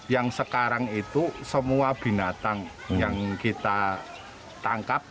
yang sekarang itu semua binatang yang kita tangkap